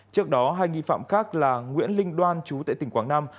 trước đó hai nghi phạm khác là nguyễn linh đoan chú tại tỉnh quảng nam